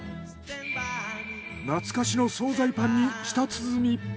懐かしの惣菜パンに舌鼓。